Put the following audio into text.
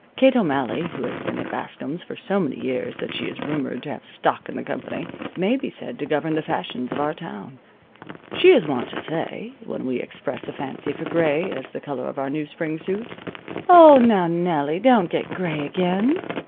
Kate O'Malley, who has been at Bascom's for so many years that she is rumored to have stock in the company, may be said to govern the fashions of our town. She is wont to say, when we express a fancy for gray as the color of our new spring suit: "Oh, now, Nellie, don't get gray again.